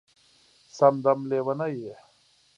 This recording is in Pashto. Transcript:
سم دم لېونی یې